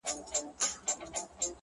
راباندي گرانه خو يې ـ